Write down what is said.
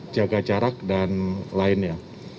jaga jarak dan lainnya